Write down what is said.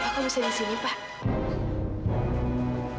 bapak kok bisa di sini pak